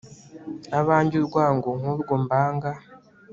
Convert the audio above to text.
abange urwango nk'urwo mbanga